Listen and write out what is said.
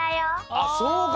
あっそうか！